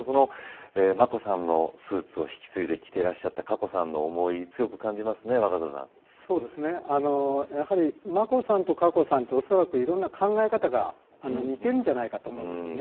眞子さんのスーツを引き継いで着ていらっしゃった佳子さまの眞子さんと佳子さまはおそらく、いろんな考え方が似ているんじゃないかと思います。